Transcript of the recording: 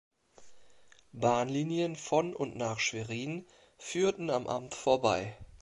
Bahnlinien von und nach Schwerin führten am Amt vorbei.